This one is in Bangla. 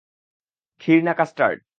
খিঁর না কাস্টার্ড?